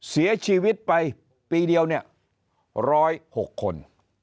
เสียชีวิตไปปีเดียวเนี่ย๑๐๖คน